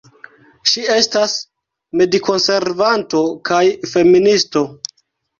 Ŝi estas medikonservanto kaj feministo.